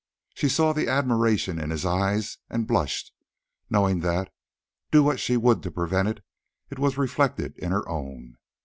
She saw the admiration in his eyes and blushed, knowing that, do what she would to prevent it, it was reflected in her own.